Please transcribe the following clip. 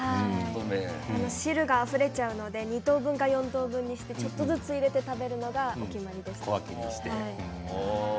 汁があふれちゃうので２等分か４等分にしてちょっとずつ入れて食べるのが好きでした。